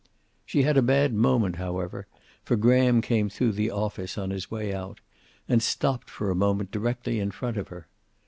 She had a bad moment, however, for Graham came through the office on his way out, and stopped for a moment directly in front of her.